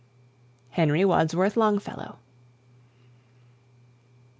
HENRY WADSWORTH LONGFELLOW.